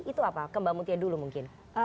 itu apa ke mbak mutia dulu mungkin